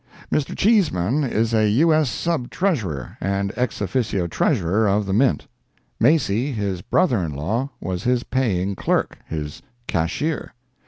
Mr. Cheeseman is U.S. Sub Treasurer, and ex officio treasurer of the mint. Macy, his brother in law, was his paying clerk—his cashier.